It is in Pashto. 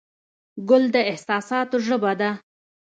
ګل د احساساتو ژبه ده.